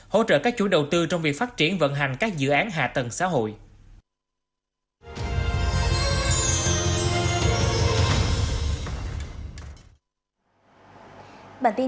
hỗ trợ các chủ đầu tư trong việc phát triển vận hành các dự án hạ tầng xã hội